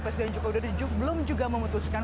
presiden joko widodo belum juga memutuskan